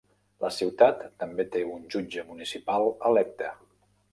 La ciutat també té un jutge municipal electe.